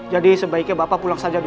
jadi sebaiknya bapak pulang saja dulu